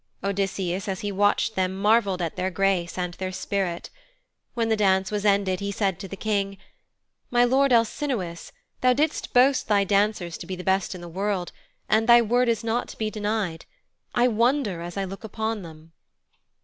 Odysseus as he watched them marvelled at their grace and their spirit. When the dance was ended he said to the King, 'My Lord Alcinous, thou didst boast thy dancers to be the best in the world, and thy word is not to be denied. I wonder as I look upon them.'